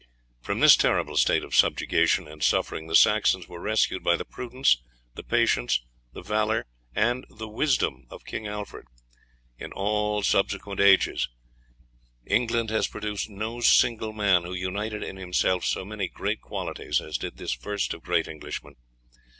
From this terrible state of subjection and suffering the Saxons were rescued by the prudence, the patience, the valour and wisdom of King Alfred. In all subsequent ages England has produced no single man who united in himself so many great qualities as did this first of great Englishmen.